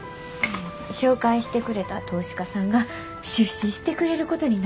紹介してくれた投資家さんが出資してくれることになった。